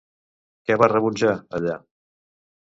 Què va rebutjar, allà?